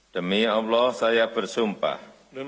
demi allah saya bersumpah